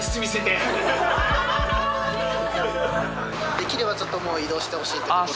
できればちょっともう移動してほしいってところ。